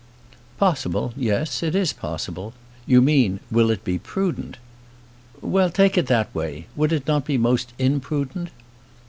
"Possible; yes, it is possible. You mean, will it be prudent?" "Well, take it in that way; would it not be most imprudent?"